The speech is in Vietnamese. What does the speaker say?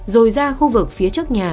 rồi ra khu vực phía trước nhà